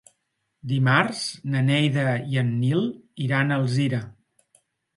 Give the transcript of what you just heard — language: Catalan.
Dimarts na Neida i en Nil iran a Alzira.